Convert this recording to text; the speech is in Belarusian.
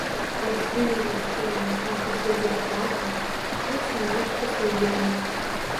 Расліна расце ў лясах і светлых парках, часам як пустазелле.